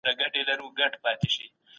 په بازارونو کي باید د کيفيت کنټرول وي.